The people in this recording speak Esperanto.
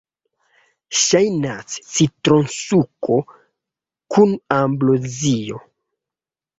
Ŝajnas citronsuko kun ambrozio.